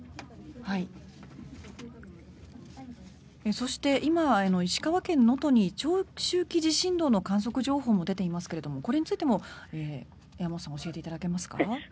そして、今、石川県能登に長周期地震動の観測情報も出ていますがこれについても山本さん教えていただけますか？